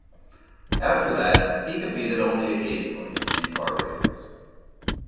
After that he competed only occasionally in car races.